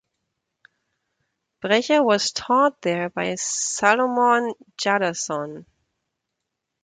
Brecher was taught there by Salomon Jadassohn.